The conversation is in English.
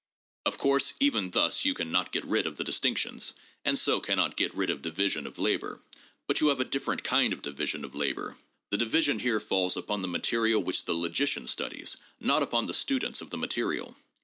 Of course, even thus, you can not get rid of the distinctions, and so can not get rid of division of labor; but you have a different kind of division of labor. The division here falls upon the material which the logician studies, not upon the students of the material.